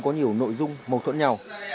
nội dung một thuận nhau